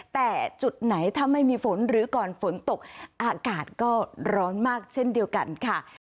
แต่จุดไหนถ้าไม่มีฝนหรือก่อนฝนตกอากาศก็ร้อนมากเช่นเดียวกันค่ะ